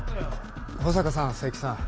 保坂さん佐伯さん